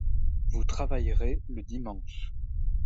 Vous travaillerez le dimanche